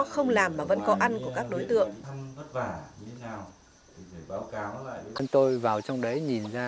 không làm mà vẫn có ăn của các đối tượng